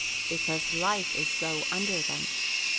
because life is so under them.